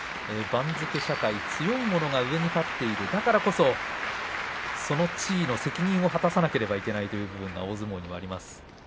番付社会強いものが上に立つだからこそ、その地位の責任を果たさなければいけないという大相撲です。